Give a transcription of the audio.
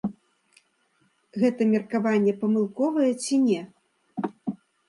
Гэта меркаванне памылковае ці не?